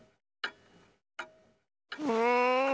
うん。